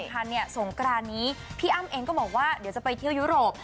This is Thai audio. สงกรานนี้พี่อ้ำเองก็บอกว่าเดี๋ยวจะไปเที่ยวยุโรป